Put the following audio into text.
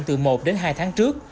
từ một đến hai tháng trước